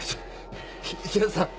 平田さん